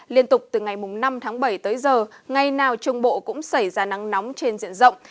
liên tục từ ngày năm tháng bảy tới giờ ngày nào trung bộ cũng xảy ra nắng nóng trên diện rộng